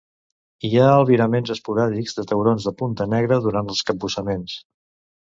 Hi ha albiraments esporàdics de taurons de punta negra durant els capbussaments.